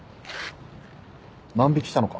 万引したのか？